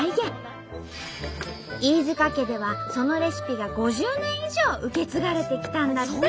飯塚家ではそのレシピが５０年以上受け継がれてきたんだって。